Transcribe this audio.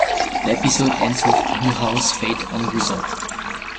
The episode ends with Milhouse's fate unresolved.